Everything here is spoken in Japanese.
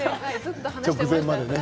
直前までね。